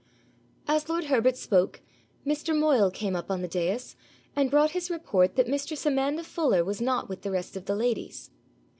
As lord Herbert spoke, Mr. Moyle came up on the dais, and brought his report that mistress Amanda Fuller was not with the rest of the ladies.